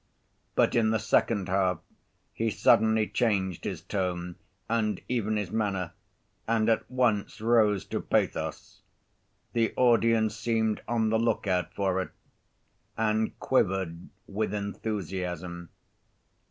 But in the second half he suddenly changed his tone, and even his manner, and at once rose to pathos. The audience seemed on the look‐out for it, and quivered with enthusiasm.